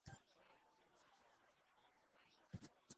د اسلام مبارک دين د بشریت لارښود دی.